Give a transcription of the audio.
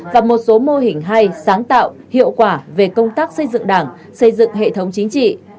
và một số mô hình hay sáng tạo hiệu quả về công tác xây dựng đảng xây dựng hệ thống chính trị